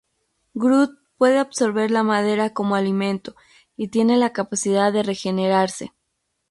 Groot puede absorber la madera como alimento, y tiene la capacidad de regenerarse.